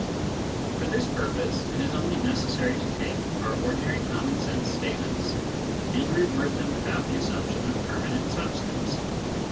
For this purpose, it is only necessary to take our ordinary common sense statements and reword them without the assumption of permanent substance.